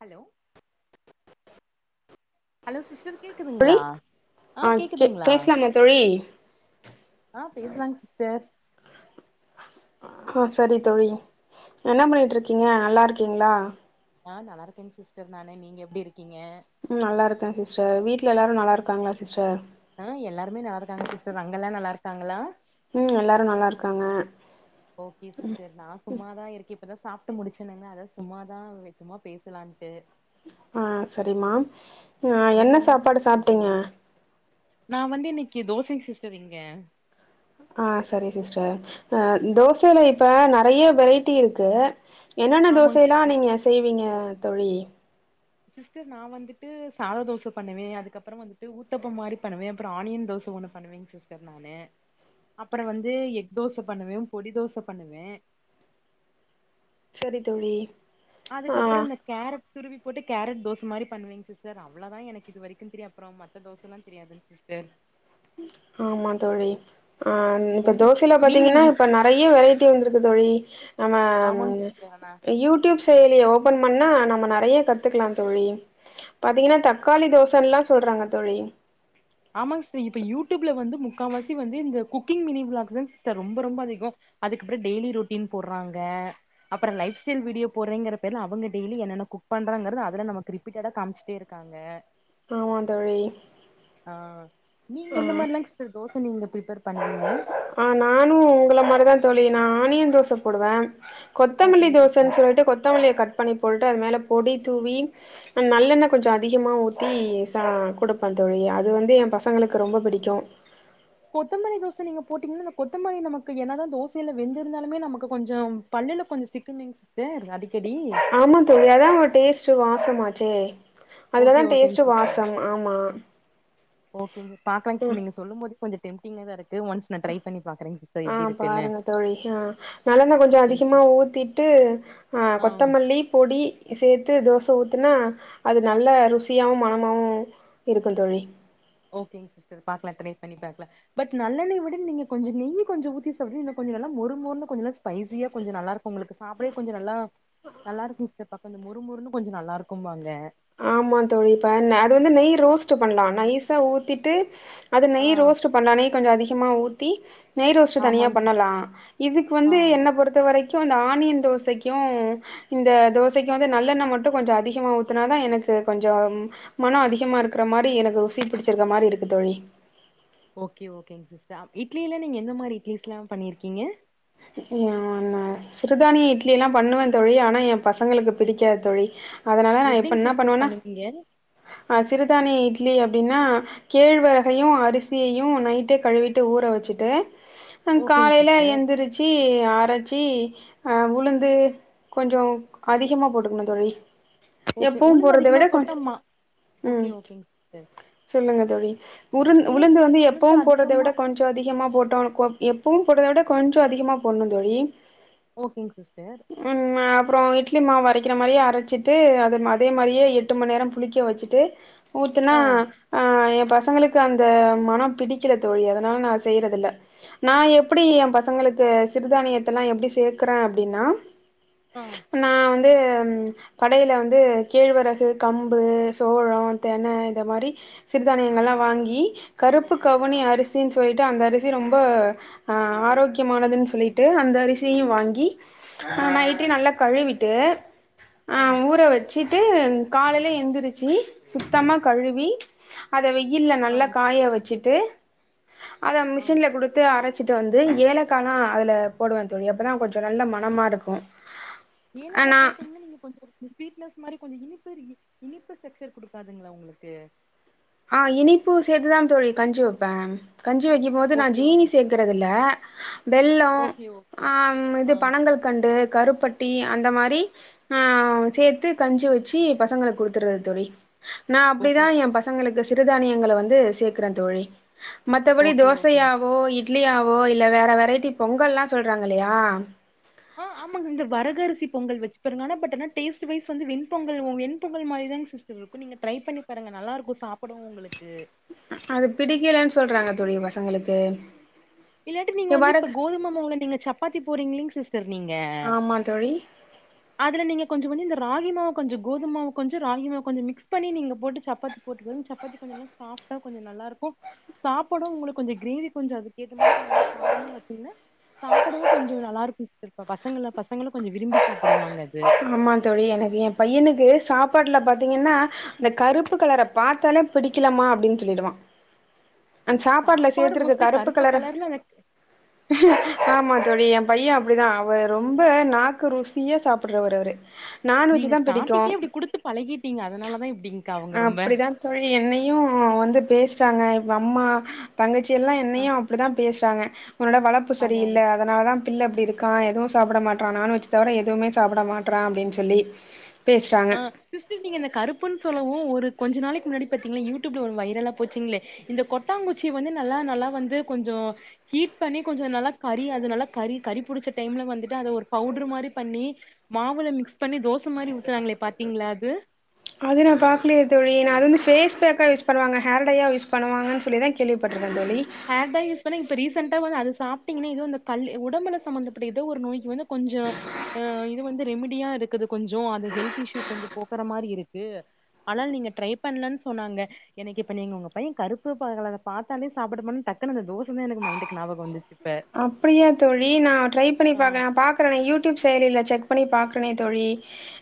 Hello hello sister தோழி கேக்குதுங்ளா ஆ கே கேக்கதுங்ளா பேசலாமா தோழி ஆ பேசலாங் சிஸ்டர் ஹ சரி தோழி என்ன பண்ணிட் இருக்கீங்க நல்லாருக்கீங்களா ஆ நல்லாருக்கேங் சிஸ்டர் நானு நீங்க எப்டி இருக்கீங்க ம் நல்லாருகே சிஸ்டர் வீட்ல எல்லாரு நல்லா இருக்காங்களா சிஸ்டர் அ எல்லாருமே நல்லாருக்காங்க சிஸ்டர் அங்க எல்லா நல்லாருக்காங்களா ம் எல்லாரு நல்லாருக்காங்க ஓகே ம் சிஸ்டர் நா சும்மாதா இருக்கு இப்பதா சாப்ட்டு முடிச்சேனுங்க அதா சும்மாதா சும்மா பேசலான்ட்டு ஆ சரிமா அ என்ன நீங்க சாப்பாடு சிஸ்டர் சாப்டீங்க பண்றீங்க நா வந்து இன்னிக்கு தோசை சிஸ்டர் இங்க ஆ சரி சிஸ்டர் அ தோசைல இப்ப நெறைய வெரைட்டி இருக்கு என்னென்ன ஆமாங்க தோசை எல்லாம் சிஸ்டர் நீங்க செய்வீங்க தோழி சிஸ்டர் நா வந்துட்டு சாதா தோச பண்ணுவே அதுக்கப்புறோ வந்துட்டு ஊத்தப்பம் மாரி பண்ணுவே அப்றம் ஆனியன் தோசை ஒன்னு பண்ணுவேங் சிஸ்டர் நானு அப்ற வந்து எக் தோச பண்ணுவே பொடி தோச பண்ணுவே சரி தோழி அதுக்கப்ற ஆ இந்த கேரட் துருவி போட்டு கேரட் தோச மாரி பண்ணுவேங் சிஸ்டர் அவ்ளோ தா எனக் இது வரைக்கு தெரியு அப்ற மத்த தோசல்லா தெரியாது சிஸ்டர் ஆமா தோழி ஆ இப்ப உங்களுக்கு தோசைல நீங்க பாத்தீங்கன்னா இப்ப நா நெறைய வெரைட்டி வந்திருக்கு தோழிஆனாம் ஆமாங் சிஸ்டர் ஆனா யூடியூப்ஸ் செயலிய ஓபன் பண்ணா நம்ம நெறைய கத்துக்கலா தோழி பாத்தீங்கன்னா தக்காளி தோசன்லா சொல்றாங்க தோழி ஆமாங் சிஸ்டர் இப்ப யூடியூப்ல வந்து முக்கா வாசி வந்து இந்த குக்கிங் மினி விளாக்ஸ் தா சிஸ்டர் ரொம்ப ரொம்ப அதிகோ அதுக்கப்றோ டெய்லி ரொட்டீன் போடுறாங்க அப்ற லைப் ஸ்டைல் வீடியோ போட்றேங்கிற பேர்ல அவங்க டெய்லி என்னென்ன குக் பண்றாங்றது அதுல நமக்கு ரீப் பீட்டடா காம்சுட்டே ருக்காங்க ஆமா தோழி ஆ நீங்க ஆ எந்த மாரிலா சிஸ்டர் தோச நீங்க ப்ரிப்பேர் பண்ணுவீங்க ஆ நானு உங்கள மாரிதா தோழி நா ஆனியன் தோச போடுவே கொத்தமல்லி ஓகேங் சிஸ்டர் தோசன்னு சொல்டு கொத்தமல்லியை கட் பண்ணி போட்டுட்டு அது மேல பொடி தூவி அ நல்லெண்ண கொஞ்ச அதிகமா ஊத்தி ச குடுப்பே தோழி அது வந்து எ பசங்களுக்கு ரொம்ப புடிக்கு கொத்தமல்லி தோ தோச நீங்க போட்டீங்கன்னா அந்த கொத்தமல்லி நமக்கு என்ன தா தோசல வெந்திருந்தாலுமே நமக்கு கொஞ்சோ பல்லுல கொஞ்ச சிக்குமே சிஸ் சேர் அடிக்கடி ஆமா தோழி அதா ஒரு டேஸ்ட்டு வாசமாச்சே அதுல ஓகே தா ஓகேங் டேஸ்ட்டு சிஸ்டர் வாசம் ஆமா ஓகேங் பாக்கலாங் சிஸ்டர் ம் நீங்க சொல்லும் போது கொஞ்ச டெம்டிங்கா தா இருக்கு ஒன்ஸ் நா ட்ரை பண்ணி பாக்ரேங் ஆ பாருங்க தோழி ஆ நல்லெண்ண கொஞ்ச ஓகேங் அதிகமா சிஸ் ஊத்திட்டு அ ஆ கொத்தமல்லி பொடி சேத்து தோசை ஊத்துனா அது நல்ல ருசியாவு மனமாவு இருக்கு தோழி ஓகே சிஸ்டர் பாக்கலா ட்ரை பண்ணி பாக்கலா பட் நல்லெண்ணய விட நீங்க கொஞ்ச நெய்கொஞ்ச ஊத்தி சாப்டிங்கனா கொஞ்ச நல்லா மொருமொருனு கொஞ்ச நாச் ஸ்பைசியா கொஞ்ச நல்லாருக்கு உங்களுக்கு சாப்டவே கொஞ்ச நல்லா நல்லாருக்கு சிஸ்டர் பக்க இந்த மொரு மொருன்னு கொஞ்சோ நல்லாருக்கும்பாங்க ஆமா தோழி ப அது வந்து நெய் ரோஸ்ட்டு பண்லாம் நைசா ஊத்திட்டு அத ஆ நெய் ரோஸ்ட்டு பண்ணேன்னே கொஞ்ச அதிகமாக ஊத்தி நெய் ரோஸ்ட்டு தனியா ஆமாங் சிஸ் பண்ணலா இதுக்கு ஆ வந்து என்ன பொறுத்த வரைக் ஆனியன் தோசைக்கு இந்த தோசைக்கு வந்து நல்லெண்ண மட்டும் கொஞ்ச அதிகமா ஊத்த அதனாதா எனக்கு கொஞ்ச மன அதிகமா இருக்கிற மாரி எனக்கு ருசி பிடிச்சிருக்க மாரி இருக்கு தோழி ஓகே ஓகேங்க சிஸ்டர் இட்லியில நீங்க எந்த மாதிரி இட்லீஸ் எல்லாம் பண்ணியிருக்கீங்க ம் ம் நா சிறுதானிய இட்லி எல்லா பண்ணுவே தோழி ஆனா ஏ பசங்களுக்கு பிடிக்காது தோழி அதனால நா இப்போ எப்டிங் என்ன சிஸ்டர் பண்ணுவேண்ணா பண்ணுவீங்க அ சிறுதானிய இட்லி அப்படின்னா கேழ்வரகையு அரிசியையு நைட்டே கழுவிட்டு ஊற வச்சுட்டு அ ஓகேங் காலையில சிஸ்டர் எந்திரிச்சு அரைச்சி அ உளுந்து கொஞ்ச அதிகமா போட்டுக்கணு தோழி ஓகே எப்பவு உளுந்து போடுறத அதிகமா விட கொஞ்ச போட்டா மா ஓகே ம் ஓகேங் சிஸ்டர் சொல்லுங்க தோழி உரு இல்லைங் உளுந்து சிஸ்டர் வந்து எப்பவு உளுந்து போடுதை அதிகமா விட கொஞ் கொஞ்ச அதிகமா போட்டோ கோட் எப்பவு போட்டத விட கொஞ்ச அதிகமா போடணு தோழி ஓகேங்க சிஸ்டர் ம் அப்பறோ இட்லி மாவு அரைக்கிற மாரியே அரைச்சிட்டு அது அதே மாரியே எட்டு மண் நேரோ புளிக்க வச்சுட்டு ஊத்துனா ஆ ஆ எ பசங்களுக்கு அந்த மனம் பிடிக்கல தோழி அதனால நா செய்யறதுல்ல நா எப்டி எ பசங்களுக்கு சிறுதானியத்தல்லா எப்டி சேக்குறே அப்டின்னா ஆ நா வந்து கடையில வந்து கேழ்வரகு கம்பு சோளோ தென இந்த மாரி சிறுதானியங்கள்ல்லா வாங்கி கருப்பு கவுனி அரிசின் சொல்லிட்டு அந்த அரிசி ரொம்ப ஆ ஆரோக்கியமானதுன் சொல்லிட்டு அந்த அரிசியையு வாங்கி ஆ நைட்டு நல்லா கழுவிட்டு ஆ ஊற வச்சுட்டு காலைல எந்திரிச்சு சுத்தமா கழுவி அத வெயில்ல ஆ நல்லா காய வச்சுட்டு அத ஆ மிஷின்ல குடுத் து அரச்சிட்டு வந்து ஏலக் காலா அதுல போடுவே தோழி அப்பதா கொஞ்சோ நல்ல மனமா இருக்கு ஆ ஏலக்கா நா போட்டீங்ன்னா இன்னு கொஞ்சோ பிஸ் ஸ்வீட்னஸ் மாரி கொஞ்சோ இனிப்பு இ இனிப்பு ஸ்ட்ரக்சர் குடுக்காதுங்ளா உங்களுக்கு ஆ இனிப்பு சேத்துதா தோழி கஞ்சி வப்பே கஞ்சி வைக்கும் போது நா ஓகே ஜீனி ஓகே சேத் குறது இல்ல வெல்லோ ஓகே ஓகே ஆம் இது ஆ பனங்கல் கண்டு கருப்பட்டி அந்த மாரி ஆ சேத்து கஞ்சி வச்சு பசங்களுக் குடுத்துறது தோழி நா ஓகே அப்டிதா எ பசங்களுக்கு சிறுதானியங்கள வந்து சேக்குறே தோழி மத்தபடி ஓகே ஓகேங் தோசையாவோ இட் இட்லியாவோ இல்ல வேற வெரைட்டி பொங்கல்லா சொல்றாங்க இல்லயா ஆ ஆமாங்க இந்த வரகரிசி பொங்கல் வச்சுப்பாருங்க ஆனா பட் ஆனா டேஸ்ட் வைஸ் வந்து வெண் பொங்கல் ஒ வெண்பொங்கல் மாரிதாங்க சிஸ் இருக்கு நீங்க ட்ரை பண்ணி பாருங்க நல்லா இருக்கு சாப்பிட உங்களுக்கு ஆ அது பிடிக்கலன் சொல்றாங்க தோழி பசங்களுக்கு இல்லாட்டி நீங்க இங்க வந்து வர இப்ப கோதும மாவ நீங்க சப்பத்தி போறீங்களீங்க சிஸ் டர் நீங்க ஆமா தோழி அதுல நீங்க கொஞ்சோ கொஞ்சோ இந்த ராகி மாவு கொஞ்சோ கோதுமாவு கொஞ்சோ ராகி மாவு கொஞ்சோ மிக்ஸ் பண்ணி நீங்க போட்டு சப்பாத்தி போட்டு வரும் சப்பாத்தி கொஞ்சோ நல்லா சாஃப்டா கொஞ்சோ நல்லாருக்கு சாப்புடு உங்ளுக்கு கொஞ்சோ கிரேவி கொஞ்சோ அது ஏத்த மாரி கொஞ்சோ நல்லா காரமா வச்சீங்ன்னா சாப்டவு கொஞ்சோ நல்லா இருக்கு இப்ப பசங்கள பசங்களு கொஞ்சோ விரும்பி சாப்டுவாங்க ஆமா தோழி எனக்கு எ பையனுக்கு சாப்பாட்டுல பாத்தீங்கன்னா அந்த கருப்பு கலர பாத்தாலே பிடிக்கலாமா அப்டின் சொல்லிருவா [inaudible] அந்த சாப்பாட்ல சாப்பாடு சேத்திருக்க மோஸ்ட்லி கருப்பு கலர கலர்ல அந்த ஆமா தோழி எ பைய அப்டிதா அவ ரொம்ப நாக்கு ருசியா சாப் டுறவரு அவரு நீங்க நான்வெஜ் தான் பிடிக்கும் ஸ்டார்டிங்லே இப்டி குடுத்து பழகிட்டீங்க அதனால தா இப்டிங்க்கா அவங்க ரொம்ம அப்டிதா தோழி என்னையு வந்து பேசுறாங்க எங்க அம்மா தங்கச்சி எல்லா ஆ என்னையு அப்டிதா பேசுறாங்க உன்னோட வளப்பு அத அத சரியில்ல அதனால தா பிள்ள அப்படி இருக்கா எதுவு சாப்ட மாட்றா நான்வெஜ் தவிர எதுவுமே சாப்ட மாட்றா அப்டின் சொல்லி பேசுறாங்க ஆ சிஸ்டர் நீங்க இந்த கருப்புன் சொல்லவோ ஒரு கொஞ்ச நாளைக்கு முன்னாடி பாத்தீங்ன்னா யூடியூப்ல ஒரு வைரலா போச்சிங்ளே இந்த கொட்டாங்குச்சி வந்து நல்லா நல்லா வந்து கொஞ்சோ ஹீட் பண்ணி கொஞ்சோ நல்லா கரி அதுனால கரி கரி புடிச்ச டைம்ல வந்துட்டு அத ஒரு பவுட்ரு மாரி பண்ணி மாவுல மிக்ஸ் பண்ணி தோச மாரி ஊத்துறாங்ளே பாத்தீங்ளா அது அது நா பாக்லேயே தோழி நா அது வந்து ஃபேஸ்பேக்கா யூஸ் பண்ணுவாங்க ஹேர் டையா யூஸ் பண்ணுவாங்கன் சொல்லி தா கேள்விப்பட்ருக்கே தோழி ஹேர்டைய யூஸ் பண்ணா இப்ப ரீசண்ட வந்து அத சாப்ட்டீங்கன்னா வந்து அந்த கல் உடம்புல சம்பந்தப்பட்ட ஏதோ ஒரு நோய்க்கு வந்து கொஞ்சோ ஆ இது வந்து ரெமிடியா இருக்குது கொஞ்சோ அது ஹெல்த் இஷ்யூ கொஞ்சோ போக்குற மாரி இருக்கு ஆனால் நீங்க ட்ரை பண்லனு சொன்னாங்க எனக்கு இப்ப நீங்க உங்க பைய கருப்பு பாக்கலங்க பாத்தாலே சாப்புடுமன் டக்குன் அந்த தோச தா எனக்கு மைண்டுக்கு ஞாபக வந்துச்சு இப்ப அப்டியா தோழி நா ட்ரை பண்ணி ஆ பாக்கே நா பாக் குறே நா யூடியூப் செயலில செக் பண்ணி பாக்றேனே தோழி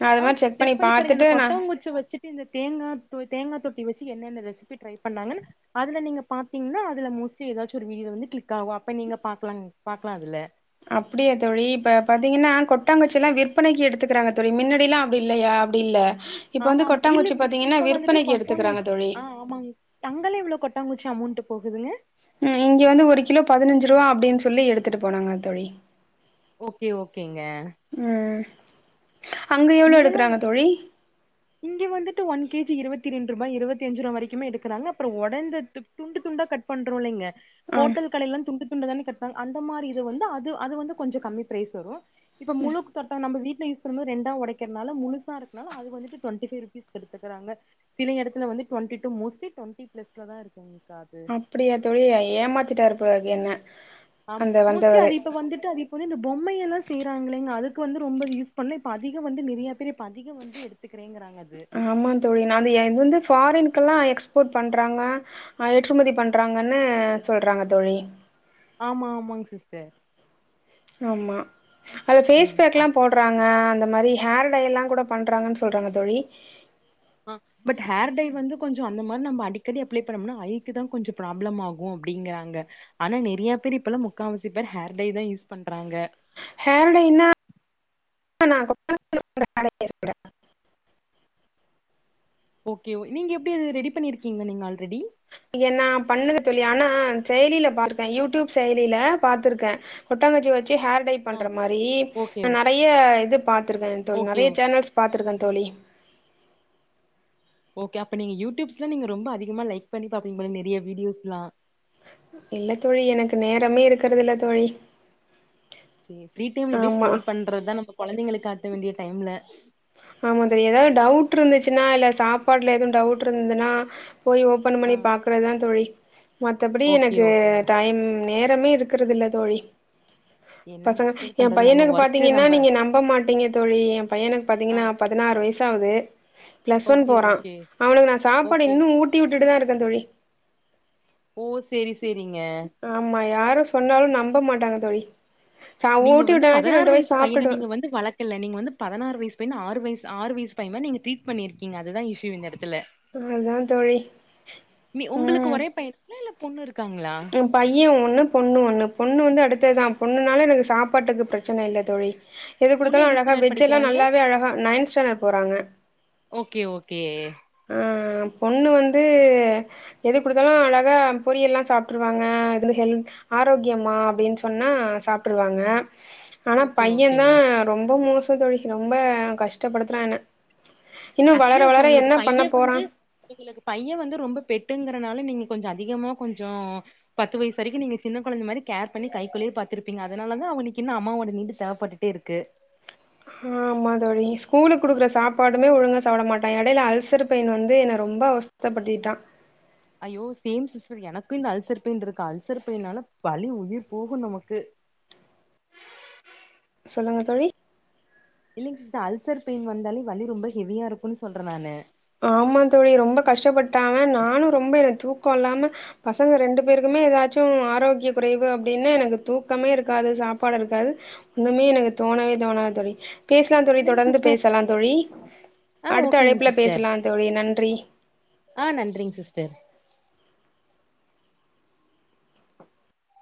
நா அது ஆ மாரி செக் பண்ணி பாருங்க இந்த பாத்துட்டு நா கொட்டாங்குச்ச வெச்சு ட்டு இந்த தேங்கா தொ தேங்கா தொப்பி வெச்சு என்னென்ன ரெசிபி ட்ரை பண்ணாங்கன்னு அதுல நீங்க பாத்தீங்கன்னா அதுல மோஸ்லி ஏதாச்சு ஒரு வீடியோ வந்து கிளிக் ஆகு அப்ப நீங்க பாக்லா பாக்லா அதுல அப்டியா தோழி இப்ப பாத்தீங்கன்னா கொட்டாங்கச்சி எல்லா விற்பனைக்கு எடுத்துக்குறாங்க தோழி முன்னாடில்லா அப்டி இல்லையா இல்ல இப்ப ஆமா வந்து ஆமா இல்ல கொட்டாங்குச்சி இப் பாத்தீங்கன்னா இப்ப வந்துட்டு விற்பனைக்கு கொட்டாங்கு எடுத்துக்கிறாங்க தோழி ஆ ஆமாங்க தங்கலே எவ்ளோ கொட்டங்குச்சி அமௌண்டு போகுதுல ம் இங்கே வந்து ஒரு கிலோ பதினஞ்சு ரூவா அப்டின் சொல்லி எடுத்துட்டு போனாங்க தோழி ஓகே ஓகேங்க ம் அங்க எவ்ளோ இங்கல்லா எடுக்குறாங்க எ தோழி இங்க வந்துட்டு ஒன் கேஜி இருவத்தி ரெண்டு ரூபா இருவத்தி அஞ்சு ரூவா வரைக்குமே எடுக்குறாங்க அப்புற ஒடந்த து துண்டு துண்டா கட் பண்றோ இலங்க ஆ ஹோட்டல் கடல்லலா துண்டு துண்டு தானே கட்டாங்க அந்த மாரி இது வந்து அது அது வந்து கொஞ்ச கம்மி பிரைஸ் வரு இப்ப முழு தட்ட நம்ம வீட்ல யூஸ் பண்ணபோ ரெண்டா ஒடைக் கருனால முழுசா இருக்கனால அது வந்துட்டு டுவெண்டி ஃபைவ் ருபீஸ்கு எடுத்துக்குறாங்க சில இடத்துல வந்து டுவெண்டி டு மோஸ்லி டுவெண்டி பிளஸ்ல தா இருக்கு உங்ககு அது அப்டியா தோழி ஏமாத்திட்டாரு பா என்ன ஆ அந்த மோஸ்ட்லி வந்தவரு அது இப்ப வந்துட்டு அது வந்து இந்த பொம்மைையெல்லா செய்யறாங்களேங்க அதுக்கு வந்து ரொம்ப யூஸ் பண்ல இப்ப அதிக வந்து நிறைய பேர் அதிக வந்து எடுத் துக்குறேங்குறாங்க அது ஆமா தோழி நா அது இது வந்து ஃபாரின்கெல்லா எக்ஸ்போர்ட் பண்றாங்க அ ஏற்றுமதி பண்றாங்கன்னு சொல்றாங்க தோழி ஆமா ஆமாங்க சிஸ்டர் ஆமா அது ஃபேஸ் ம் ஆ பேக்லா போட் றாங்க அந்த மாரி ஹேர் டை எல்லா கூட பண்றாங்கன்னு சொல்றாங்க தோழி ஆ பட் ஹேர் டை வந்து கொஞ்சொ அந்த மாரி நம்ம அடிக்கடி அப்ள பண்ணோம்னா ஐக்கு தா கொஞ்சொ ப்ராப்ளம் ஆகு அப்டிங்குறாங்க ஆனா நெறையா பேர் இப்பெல்லா முக்காவசி பேர் ஹேர் டை தா யூஸ் பண்றாங்க ஹேர் டைனா நா [inaudible] கேக்குற ஓகே ஒ நீங்க எப்டி அது ரெடி பண்ணியிருக்கீங்களா நீங்க ஆல்ரெடி ஏன்னா பண்ணுது தோழி ஆனா செயலில பாத்தே யூடியூப் செயலில பாத்திருக்கே கொட்டங்குச்சி வெச்சு ஹேர் டைப் ஆ பண்ற மாரி ஓகே நறைய இது பாத்திருக்கே தோழி ஓகே நறைய ஓ சேனல்ஸ் பாத்திருக்கே தோழி ஓகே அப்ப நீங்க யூடியூப்ஸ்லா நீங்க ரொம்ப அதிகமா லைக் பண்ணி பாப்பீங்க பொல நறைய வீடியோஸ்லா இல்ல தோழி எனக்கு நேரமே இருக்குறது இல்ல தோழி சே ஃப்ரீ டைம்ல அப்டியே ஆமா ஸ்டரோல் பண்றதுதா நம்ம கொழந்தைங்கள காட்ட வேண்டிய டைம்ல ஆமா தோழி எதாவது டவுட்ருந்துச்சுனா இல்ல சாப்பாட்ல எதுவு டவுட்ருந்துன்னா போயி ஒப் ப்பன் ஆ மணிப் பாக்கறதா தோழி மத்தப்டி ஓகே எனக்கு ஓகேங்க டைம் நேரமே இருக் க்கறதுல தோழி என்னங்க பசங்க சிஸ்டர் எம் பண்றது நம்ம பையனுக்கு ஒர்க்கு பாத்தீங்கினா நீங்க நம்ப மாட்டீங்க தோழி எம் பையனுக் ஆ திங்கனா பதனாறு வயசாவுது பிளஸ் ஒன் ஓகே போறா ஓகே அவனுக்கு நா சாப்பாடு ஓகே இன்னும் ஊட்டி விட்டிட்டுதா இருக்கே தோழி ஓ சேரி செரிங்க ஆமா யாரு சொன்னாலு நம்ப மாட்டாங்க தோழி சா நீங்க ஊட்டி வந்துப் விட்டனாச்சு பதனாறு ரெண்டு வாய் வயிசுப் பையன சாப்ட்டுடுவே நீங்க வந்து வளக் கெல்ல நீங்க வந்துப் பதனாறு வயிசுப் பையன ஆறு வயசு ஆறு வயிசு பையே மார் நீங்க ட்ரீட் பண்ணிருக்கீங்க அதுதா இஷ்யூ இந்த எடத்துல அதா தோழி நீ ஒங்களுக்கு ம் ஒரேப் பையே இல்ல இல்ல பொண்ணு இருக்காங்ளா பையே ஒன்னுப் பொண்ணு ஒன்னுப் பொண்ணு வந்து அடுத்ததா பொண்ணுனால எனக்கு சாப்பாட்டுக்கு பிரச்சன இல்ல தோழி எது பொண்ணு குடுத்தாலு என்ன அழகா ஸ்டாண்டர்ட் வெஜ்லெல்லா படிக்கிறாங்க? நல்லாவே அழகா நைன்த் ஸாண்டர்ட் போறாங்க ஓகே ஓகே ஆ பொண்ணு வந்து எது குடுத்தாலு அழகாக பொரியல்லா சாப்ட்ருவாங்க அதுந்து ஹெல் ஆரோக்யமா அப்டின் சொன்னா சாப்ட்ருவாங்க ஆனாப் ஓகே, பையந்தா ஓகேங்க. ரொம்ப மோசோந் தோழி ரொம்ப கஷ்டபடுத்துறா என்ன இன்னு ஆக்சுலி வளர இப்ப வளர உங்ளுக்கு என்ன பண்ண பையே போறா வந்து எங்களுக்கு பையே வந்து ரொம்ப பெட்டுங்கறனால நீங்க கொஞ்சோ அதிகமா கொஞ்சோ பத்து வயிசு வரைக்கு நீங்க சின்னக் கொழந்த மாரி கேர்ப் பண்ணி கை குள்ளியேப் பாத்திருப்பீங்க அதனாலதா அவுனிக்கி இன்னு அம்மாவோ நீடு தேவப்பட்டுட் டேருக்கு ஆமா தோழி ஸ்கூலுக் குடுக்ற சாப்பாடுமே ஒழுங்கா சாப்ட மாட்டே எடைல அல்சர் பெயின் வந்து என ரொம்ப அவச் தபட்டிட்டா ஐயோ சேம் சிஸ்டர் எனக்கு இந்த அல்சர் பெயின்ருக்கு அல்சர்ப் பெயினாலா வலி உயிர் போகு நமக்கு சொல்லுங்க தோழி இல்லிங் சிஸ்ட அல்சர் பெயின் வந்தாலே வலி ரொம்ப ஹெவியாருக்குன் சொல்ற நானு ஆமாந் தோழி ரொம்பக் கஷ்டபட்டா நானு ரொம்ப எனக் தூக்கோ இல்லாம பசங்க ரெண்டு பேருக்குமே எதாச்சு ஆரோக்ய குறைவு அப்டின்னா எனக்கு தூக்கமே இருக்காது சாப்பாட இருக்காது இன்னுமே எனக்கு தோணவே தோணாத் தோழி பேசலாந் தோழி இல்லைங்க தொடர்ந்து சிஸ்டர் பேசலாந் தோழி ஆ அடுத்த ஓகேங்க அழைப்பில சிஸ்டர் பேசலாந் தோழி நன்றி ஆ நன்றிங் சிஸ்டர்